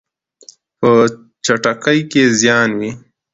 په چټکۍ کې زیان وي.